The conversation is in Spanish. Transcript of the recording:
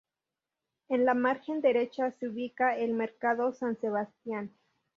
En la margen derecha se ubica el "mercado San Sebastián".